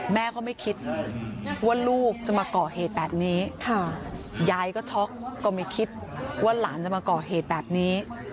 แม่ก็ไม่คิดว่าลูกจะมาก่อเหตุแบบนี้ยายก็ช็อกก็ไม่คิดว่าหลานจะมาก่อเหตุแบบนี้